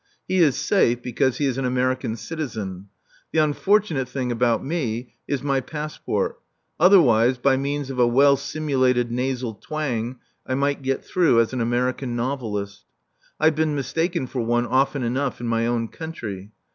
He is safe, because he is an American citizen. The unfortunate thing about me is my passport, otherwise, by means of a well simulated nasal twang I might get through as an American novelist. I've been mistaken for one often enough in my own country.